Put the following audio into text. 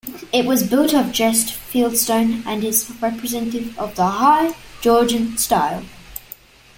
It was built of dressed fieldstone and is representative of the high Georgian style.